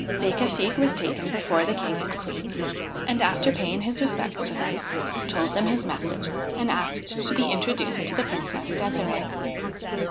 Becafigue was taken before the King and Queen, and, after paying his respects to them, told them his message and asked to be introduced to the Princess De"sire"e.